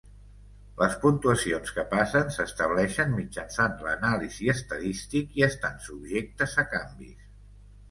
Les puntuacions que passen s'estableixen mitjançant l'Anàlisi estadístic i estan subjectes a canvis.